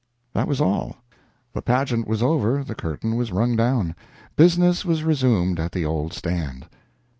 That was all. The pageant was over, the curtain was rung down. Business was resumed at the old stand.